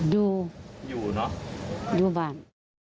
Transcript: ดูบ้าน